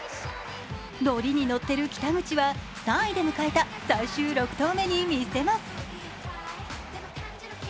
乗りに乗ってる北口は３位で迎えた最終６投目に見せます。